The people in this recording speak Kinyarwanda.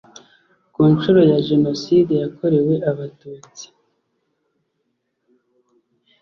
ku nshuro ya jenoside yakorewe abatutsi